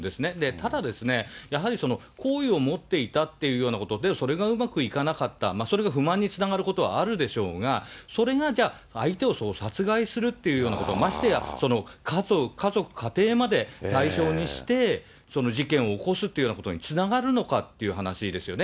ただですね、やはりその好意を持っていたっていうようなこと、それがうまくいかなかった、それが不満につながることはあるでしょうが、それがじゃあ、相手を殺害するっていうようなこと、ましてや、その家族、家庭まで代償にして、事件を起こすっていうようなことにつながるのかっていう話ですよね。